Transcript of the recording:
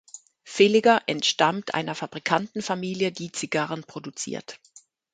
Villiger entstammt einer Fabrikantenfamilie, die Zigarren produziert.